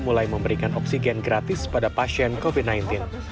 mulai memberikan oksigen gratis pada pasien covid sembilan belas